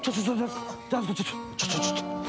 ちょっと。